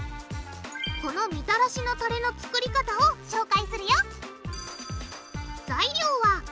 このみたらしのたれの作り方を紹介するよ！